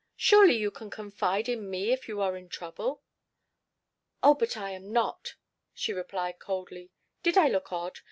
Surely you may confide in me if you are in trouble." "Oh, but I am not," she replied coldly. "Did I look odd?